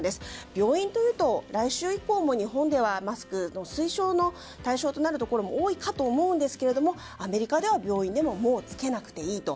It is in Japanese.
病院というと来週以降も日本ではマスク推奨の対象となるところも多いかと思うんですけれどもアメリカでは病院でももう着けなくていいと。